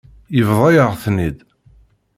Yebḍa-yaɣ-ten-id.